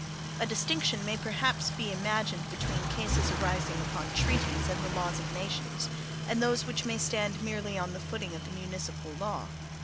A distinction may perhaps be imagined between cases arising upon treaties and the laws of nations and those which may stand merely on the footing of the municipal law.